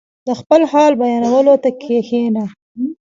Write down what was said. • د خپل حال بیانولو ته کښېنه.